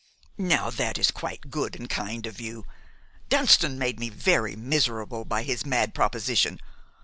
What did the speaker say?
"Now, that is quite good and kind of you. Dunston made me very miserable by his mad proposition.